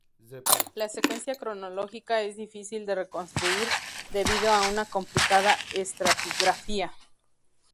La secuencia cronológica es difícil de reconstruir, debido a una complicada estratigrafía.